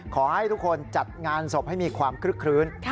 ขอให้ทุกคนจัดงานศพให้มีความคลึกคลื้น